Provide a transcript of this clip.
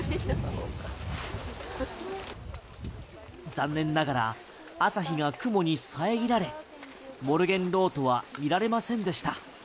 残念ながら朝日が雲に遮られモルゲンロートは見られませんでした。